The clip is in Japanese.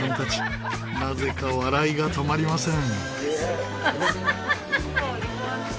なぜか笑いが止まりません。